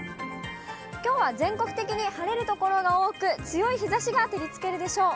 きょうは全国的に晴れる所が多く、強い日ざしが照りつけるでしょう。